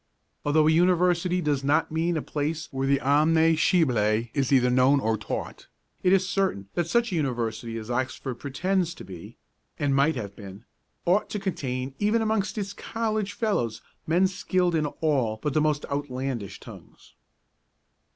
Although a University does not mean a place where the omne scibile is either known or taught, it is certain that such a University as Oxford pretends to be (and might have been) ought to contain even amongst its College fellows men skilled in all but the most outlandish tongues.